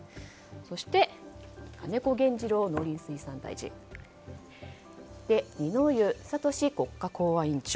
そして、金子原二郎農林水産大臣二之湯智国家公安委員長